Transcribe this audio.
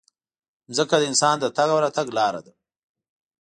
مځکه د انسان د تګ او راتګ لاره ده.